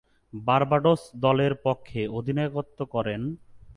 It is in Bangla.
বার্বাডোস দলের পক্ষে অধিনায়কত্ব করেন।